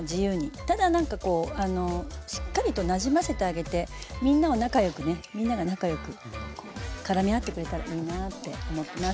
ただ何かこうしっかりとなじませてあげてみんなを仲良くねみんなが仲良くからみ合ってくれたらいいなって思ってます。